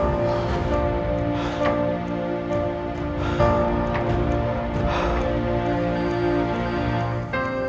katakan sama tuhan